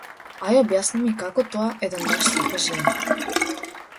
Ај објасни ми како тоа еден маж сака жена.